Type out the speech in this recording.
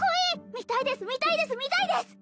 見たいです見たいです見たいです